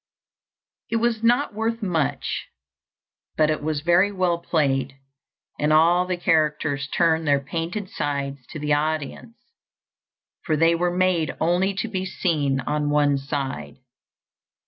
It was not worth much, but it was very well played, and all the characters turned their painted sides to the audience, for they were made only to be seen on one side.